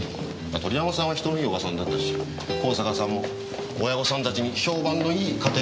鳥山さんは人のいいおばさんだったし香坂さんも親御さんたちに評判のいい家庭教師でしたよ。